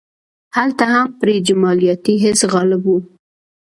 هلته هم پرې جمالیاتي حس غالب و.